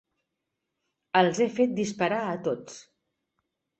Els he fet disparar a tots.